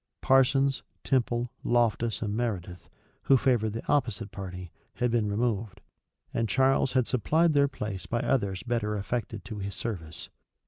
Parsons, Temple, Loftus, and Meredith, who favored the opposite party, had been removed; and Charles had supplied their place by others better affected to his service.